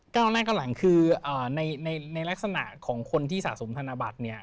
หน้าเก้าหลังคือในลักษณะของคนที่สะสมธนบัตรเนี่ย